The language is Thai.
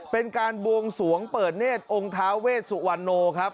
เป็นการวงสวงเปิดเนศองท้าเวสุวัณโครับ